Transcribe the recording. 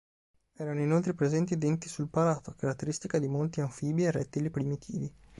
Erano inoltre presenti denti sul palato, caratteristica di molti anfibi e rettili primitivi.